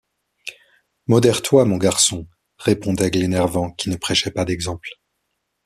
Modère-toi, mon garçon, » répondait Glenarvan, qui ne prêchait pas d’exemple.